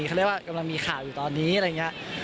เขาเรียกว่ากำลังมีข่าวอยู่ตอนนี้อะไรอย่างนี้